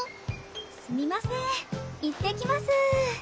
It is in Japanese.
すみません行ってきます。